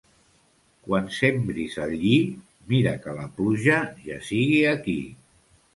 Quan sembris el lli, mira que la pluja ja sigui aquí.